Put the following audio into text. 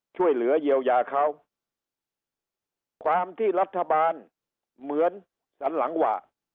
ช่วยเหลือเยียวยาเขาความที่รัฐบาลเหมือนสันหลังหว่า